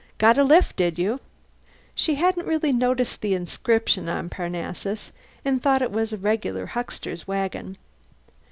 Got a lift, did you?" She hadn't really noticed the inscription on Parnassus, and thought it was a regular huckster's wagon.